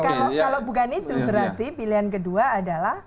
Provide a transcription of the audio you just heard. kalau bukan itu berarti pilihan kedua adalah